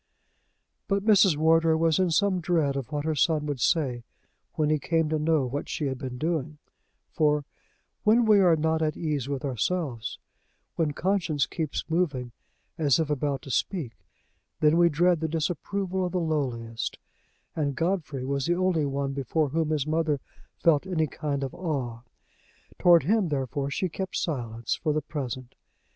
But Mrs. Wardour was in some dread of what her son would say when he came to know what she had been doing; for, when we are not at ease with ourselves, when conscience keeps moving as if about to speak, then we dread the disapproval of the lowliest, and Godfrey was the only one before whom his mother felt any kind of awe. Toward him, therefore, she kept silence for the present.